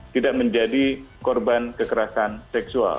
tidak menjadi korban kekerasan seksual